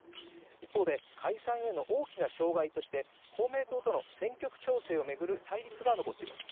一方で、解散への大きな障害として、公明党との選挙区調整を巡る対立が残っています。